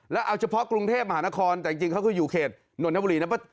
แล้วเอาเฉพาะกรุงเทพมหานครแต่จริงเขาก็อยู่เขตนนทบุรีนะ